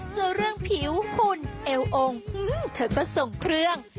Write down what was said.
โจ้เรื่องผิวขุนเอวองเธอก็ส่งเพลือง